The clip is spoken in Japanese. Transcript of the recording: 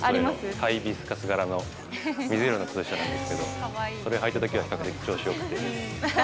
ハイビスカス柄の、水色の靴下なんですけど、それ履いたときは、比較的調子よくて。